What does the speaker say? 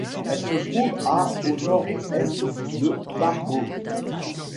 Elle se trouve à au nord-est de Marbourg.